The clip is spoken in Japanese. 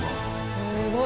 すごい。